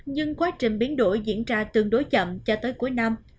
nhưng quá trình biến đổi diễn ra tương đối chậm cho tới cuối năm